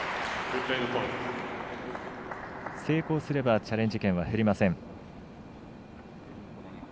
成功すればチャレンジ権は減りません。